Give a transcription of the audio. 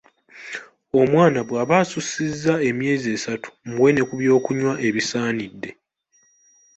Omwana bw'aba asussizza emyezi esatu , muwe ne kubyokunywa ebisaanidde.